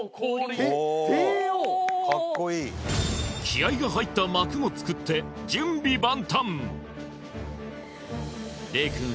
気合いが入った幕も作って準備万端令くん